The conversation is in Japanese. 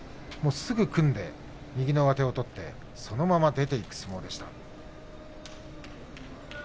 すぐ組んで右の上手を取ってそのまま出ていく相撲でした。